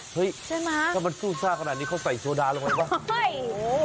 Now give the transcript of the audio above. เฮ้ยใช่มั้ยถ้ามันซู่ซ่าขนาดนี้เขาใส่โซดาลงไหนบ้างเฮ้ยโอ้โห